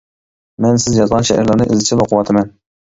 مەن سىز يازغان شېئىرلارنى ئىزچىل ئۇقۇۋاتىمەن.